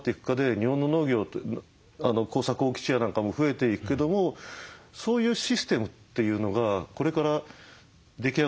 日本の農業って耕作放棄地や何かも増えていくけどもそういうシステムっていうのがこれから出来上がっていく。